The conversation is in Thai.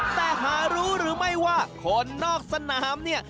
แต่หารู้หรือไม่ว่าคนนอกสนามเนี่ย